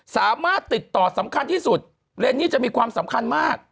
สามารถติดต่อสำคัญที่สุดเรนนี่จะมีความสำคัญมาก